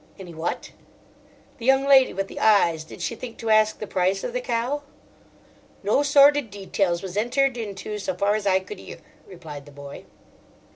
"Any what?" "The young lady with the eyes—did she think to ask the price of the cow?" "No sordid details was entered into, so far as I could 'ear," replied the boy.